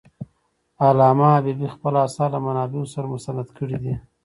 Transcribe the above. علامه حبيبي خپل آثار له منابعو سره مستند کړي دي.